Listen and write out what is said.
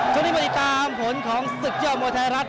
ช่วงนี้มาติดตามผลของศึกยอดมวยไทยรัฐ